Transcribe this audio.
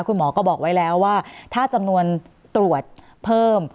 คุณหมอก็บอกไว้แล้วว่าถ้าจำนวนตรวจเพิ่ม